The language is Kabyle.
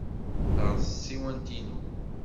Terreẓ tsiwant-inu.